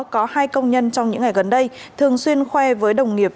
có hai công nhân trong những ngày gần đây thường xuyên khoe với đồng nghiệp